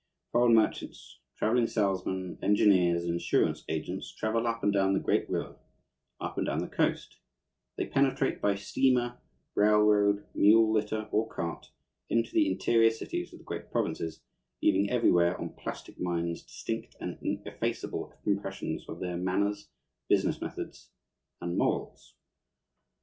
Foreign merchants, travelling salesmen, engineers, and insurance agents travel up and down the great river, up and down the coast; they penetrate, by steamer, railroad, mule litter, or cart, into the interior cities of the great provinces, leaving everywhere on plastic minds distinct and ineffaceable impressions of their manners, business methods, and morals.